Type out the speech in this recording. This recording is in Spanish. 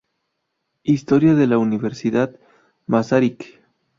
Historia de la Universidad Masaryk